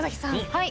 はい。